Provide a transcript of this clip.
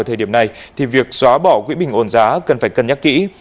thời điểm này thì việc xóa bỏ quỹ bình ổn giá cần phải cân nhắc kỹ